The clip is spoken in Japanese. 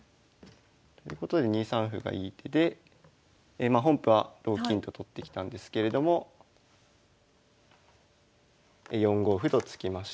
ということで２三歩がいい手でま本譜は同金と取ってきたんですけれども４五歩と突きまして。